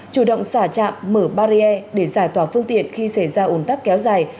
chủ động xả trạm mở barriere để giải tỏa phương tiện khi xảy ra ủng tắc kéo dài